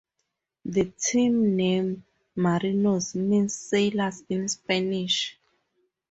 The team name "Marinos" means "sailors" in Spanish.